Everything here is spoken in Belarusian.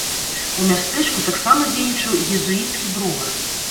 У мястэчку таксама дзейнічаў езуіцкі бровар.